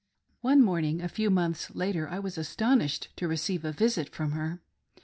One morning, a few months later, I was astonished t& receive a visit from her.